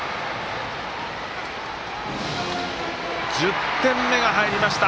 １０点目が入りました。